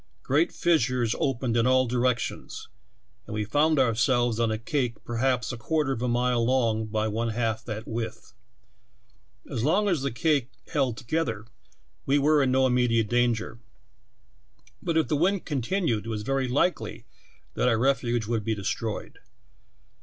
Grr.*at fissures 42 THE TALKING HANDKEKCHIEE. Opened in all direetions, and we found ourselves on a cake perhaps a quarter of a mile long by one half that width. As long as the cake held together we were in no immediate danger, but if the wind continued it was ver^^ . likely that our refuge would be destroyed.